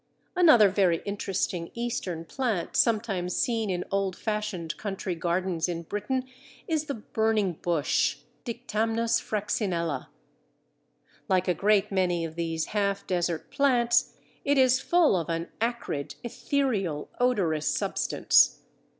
Another very interesting Eastern plant sometimes seen in old fashioned country gardens in Britain is the "Burning bush" (Dictamnus fraxinella). Like a great many of these half desert plants, it is full of an acrid, ethereal, odorous substance.